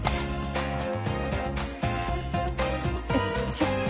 ちょっと。